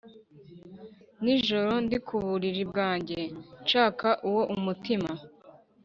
Nijoro ndi ku buriri bwanjye Nshaka uwo umutima